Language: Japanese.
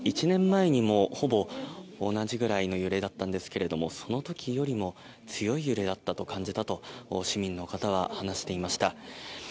１年前にもほぼ同じぐらいの揺れだったんですけどもその時よりも強い揺れと感じたと市民の方は話していました。